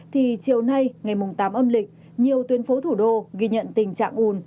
thì chiều nay ngày mùng tám âm lịch nhiều tuyến phố thủ đô ghi nhận tình trạng ủn